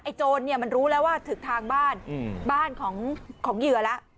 โจรเนี่ยมันรู้แล้วว่าถึงทางบ้านบ้านของเหยื่อแล้ว